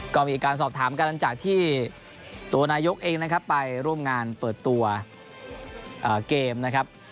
ก็มีการสอบถามกันหลังจากที่ตัวนายกเองนะครับไปร่วมงานเปิดตัวเกมนะครับ